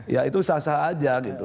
ya itu sah sah aja gitu